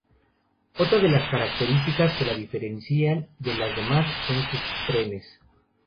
Otra de las características que la diferencian de las demás son sus trenes.